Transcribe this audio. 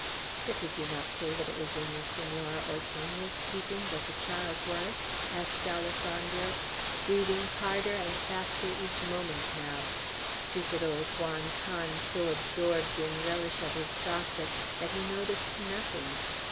"But did you not say that it was in the Senora Ortegna's keeping that the child was?" asked Alessandro, breathing harder and faster each moment now; stupid old Juan Can so absorbed in relish of his gossip, that he noticed nothing.